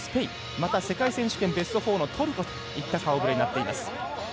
また世界選手権ベスト４のトルコといった顔ぶれになっています。